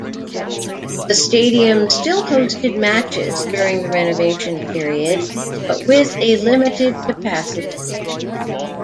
The stadium still hosted matches during the renovation period, but with a limited capacity.